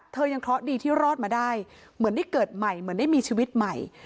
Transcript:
ยังเคราะห์ดีที่รอดมาได้เหมือนได้เกิดใหม่เหมือนได้มีชีวิตใหม่